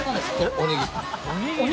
おにぎり？